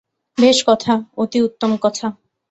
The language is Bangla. বেশ কথা, অতি উত্তম কথা!